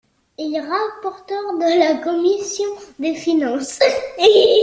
Il est rapporteur de la commission des finances.